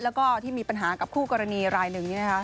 แล้วก็ที่มีปัญหากับคู่กรณีรายหนึ่ง